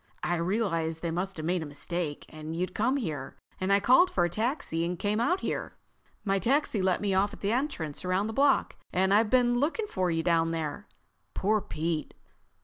I realized they must have made a mistake, and you'd come here, and I called for a taxi and came out here. My taxi let me off at the entrance around the block, and I've been looking for you down there.... Poor Pete!"